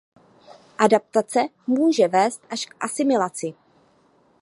Adaptace může vést až k asimilaci.